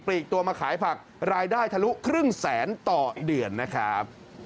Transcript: ลีกตัวมาขายผักรายได้ทะลุครึ่งแสนต่อเดือนนะครับ